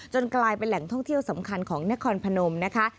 กลายเป็นแหล่งท่องเที่ยวสำคัญของนครพนมนะคะ